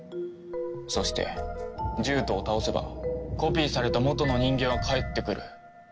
そして獣人を倒せばコピーされた元の人間は帰ってくるということだけだ。